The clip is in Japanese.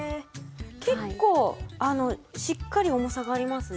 結構しっかり重さがありますね。